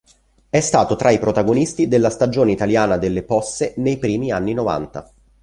È stato tra i protagonisti della stagione italiana delle posse nei primi anni novanta.